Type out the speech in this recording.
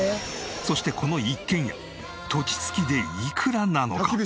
そしてこの一軒家土地付きでいくらなのか！？